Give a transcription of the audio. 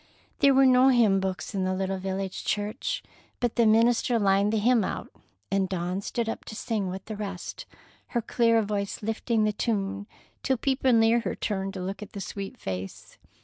There were no hymn books in the little village church, but the minister lined the hymn out, and Dawn stood up to sing with the rest, her clear voice lifting the tune till people near her turned to look at the sweet face.